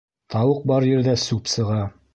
Тауыҡ бар ерҙә сүп сыға